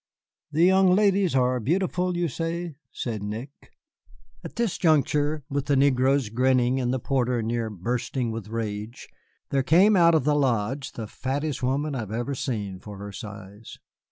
"The young ladies are beautiful, you say?" said Nick. At this juncture, with the negroes grinning and the porter near bursting with rage, there came out of the lodge the fattest woman I have ever seen for her size.